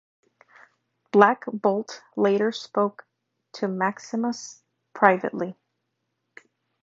Black Bolt later spoke to Maximus privately.